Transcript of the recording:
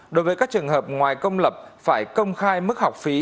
đối với các trường hợp ngoài công lập phải công khai mức học phí